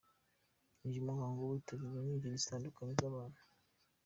Uyu muhango witabiriwe n'ingeri zitandukanye za bantu.